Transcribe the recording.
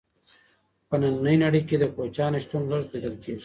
په ننۍ نړۍ کې د کوچیانو شتون لږ لیدل کیږي.